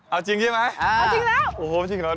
เอาจริงใช่ไหมเออจริงแล้ว